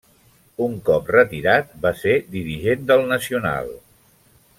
Un cop retirat va ser dirigent del Nacional.